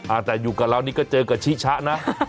แต่อยู่กับเรานี่ก็เจอกับชิชะนะ